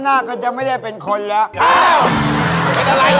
ภาพนักจะไม่ได้เป็นคนแล้ว